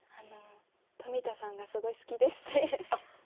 富田さんがすごい好きですって。